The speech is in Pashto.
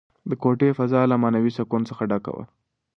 د کوټې فضا له معنوي سکون څخه ډکه وه.